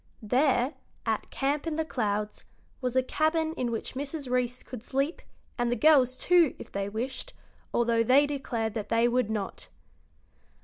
There, at Camp in the Clouds, was a cabin in which Mrs. Reece could sleep, and the girls, too, if they wished, although they declared that they would not.